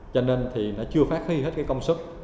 cho nên thì nó chưa phát huy hết cái công sức